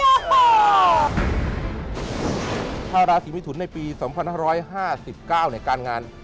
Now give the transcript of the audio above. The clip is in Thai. เรานายราศีวิธุนในปี๒๑๕๙ในการงาน